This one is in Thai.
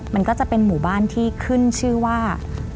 มันก็จะเป็นหมู่บ้านที่ขึ้นชื่อว่า